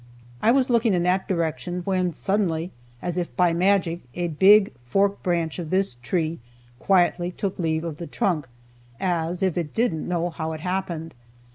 I was looking in that direction when suddenly, as if by magic, a big forked branch of this tree quietly took leave of the trunk, as if it "didn't know how it happened."